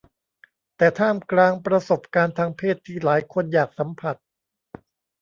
แต่ท่ามกลางประสบการณ์ทางเพศที่หลายคนอยากสัมผัส